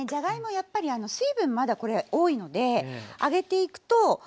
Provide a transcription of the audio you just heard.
やっぱり水分まだこれ多いので揚げていくと痩せていきます。